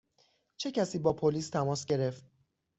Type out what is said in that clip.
چه کسی با پلیس تماس گرفت؟